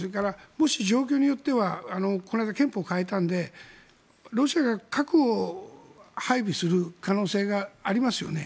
もし状況によってはこの間、憲法を変えたのでロシアが核を配備する可能性がありますよね。